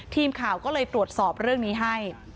ทีมข่าวก็เลยตรวจสอบเรื่องนี้ให้